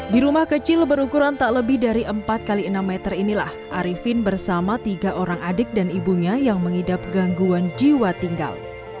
di rumah kecil berukuran tak lebih dari empat x enam meter inilah arifin bersama tiga orang adik dan ibunya yang mengidap gangguan jiwa tinggal